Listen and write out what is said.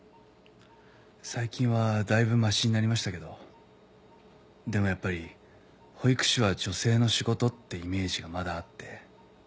最近はだいぶましになりましたけどでもやっぱり保育士は女性の仕事ってイメージがまだあって。